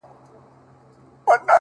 o په څو ځلي مي ستا د مخ غبار مات کړی دی،